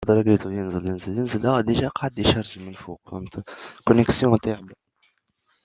La fin du fascisme se liait à l'imminente dissolution de l'Unité italienne.